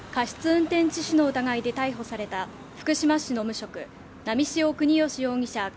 運転致死の疑いで逮捕された福島市の無職波汐國芳容疑者